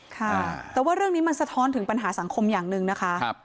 ค่ะแต่ว่าเรื่องนี้มันสะท้อนถึงปัญหาสังคมอย่างหนึ่งนะคะ